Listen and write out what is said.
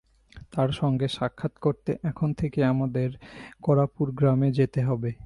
তাঁর সঙ্গে সাক্ষাৎ করতে এখন থেকে আমাদের করাপুর গ্রামে যেতে হবে।